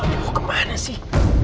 dia mau kemana sih